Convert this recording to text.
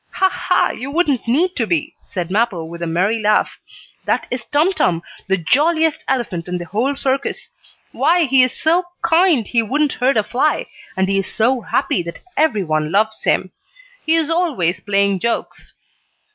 "Ha! Ha! You wouldn't need to be," said Mappo, with a merry laugh. "That is Tum Tum, the jolliest elephant in the whole circus. Why, he is so kind he wouldn't hurt a fly, and he is so happy that every one loves him. He is always playing jokes."